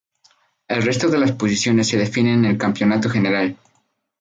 El resto de las posiciones se definen con el campeonato general.